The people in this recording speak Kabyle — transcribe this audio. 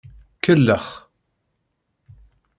Kellex.